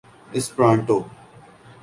Esperanto